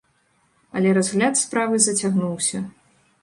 Але разгляд справы зацягнуўся.